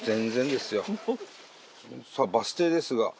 さあバス停ですが。